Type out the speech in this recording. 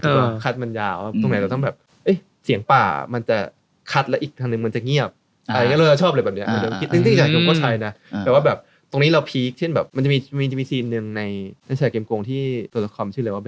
คัดมันยาวครับตรงไหนเราต้องแบบเสียงป่ามันจะคัดแล้วอีกทางหนึ่งมันจะเงียบ